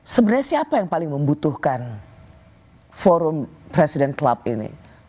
sebenarnya siapa yang paling membutuhkan forum presiden club ini